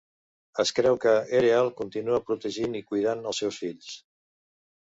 Es creu que Ereal continua protegint i cuidant els seus fills.